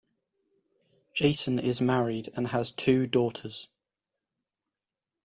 Jason is married and has two daughters.